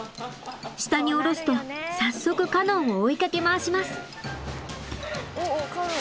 下に降ろすと早速カノンを追いかけ回します。